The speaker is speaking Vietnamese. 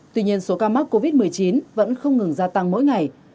tuy nhiên số ca mắc covid một mươi chín vẫn không ngừng gia tăng mỗi ngày